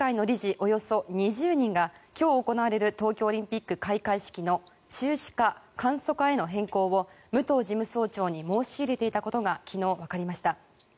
およそ２０人が今日行われる東京オリンピック開会式の中止か簡素化への変更を武藤事務総長に申し入れていたことが昨日、わかりました。